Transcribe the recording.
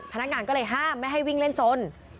พนักงานก็เลยห้ามไม่ให้วิ่งเล่นสน